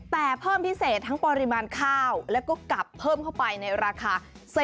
แต่เพิ่มพิเศษทั้งปริมาณข้าวแล้วก็กลับเพิ่มเข้าไปในราคา